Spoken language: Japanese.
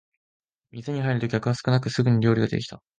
店に入ると客は少なくすぐに料理が出てきた